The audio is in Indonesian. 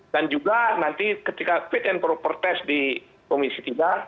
juga nanti ketika fit and proper test di komisi tiga